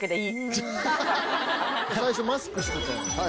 最初マスクしてたやん。